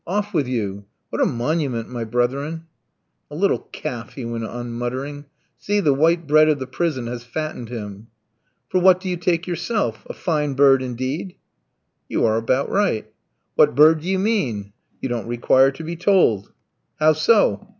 Off with you. What a monument, my brethren!" "A little calf," he went on muttering. "See, the white bread of the prison has fattened him." "For what do you take yourself? A fine bird, indeed." "You are about right." "What bird do you mean?" "You don't require to be told." "How so?"